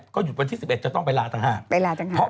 ก็หยุดวันที่๑๑จะต้องไปลาต่างหาก